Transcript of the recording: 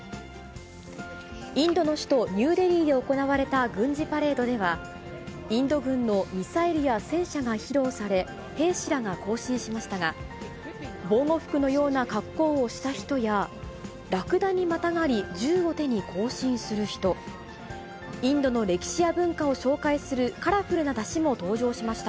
インドの首都ニューデリーで行われた軍事パレードでは、インド軍のミサイルや戦車が披露され、兵士らが行進しましたが、防護服のような格好をした人や、ラクダにまたがり銃を手に行進する人、インドの歴史や文化を紹介するカラフルなだしも登場しました。